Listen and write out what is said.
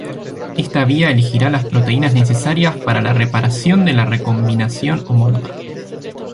Esta vía elegirá las proteínas necesarias para la reparación de la recombinación homóloga.